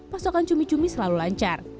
pasokan cumi cumi selalu lancar